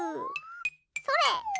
それ！